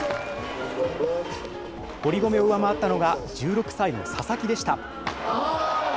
堀米を上回ったのが、１６歳の佐々木でした。